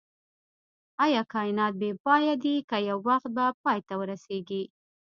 ايا کائنات بی پایه دی که يو وخت به پای ته ورسيږئ